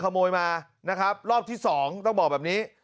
ขโมยมานะครับรอบที่สองต้องบอกแบบนี้